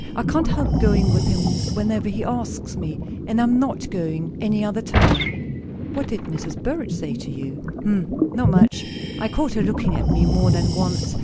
"I can't help going with him whenever he asks me, and I am not going any other time." "What did Mrs. Burrage say to you?" "Hm! Not much. I caught her looking at me more than once.